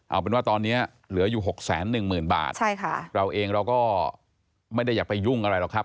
เอาเป็นว่าตอนนี้เหลืออยู่หกแสนหนึ่งหมื่นบาทใช่ค่ะเราเองเราก็ไม่ได้อยากไปยุ่งอะไรหรอกครับ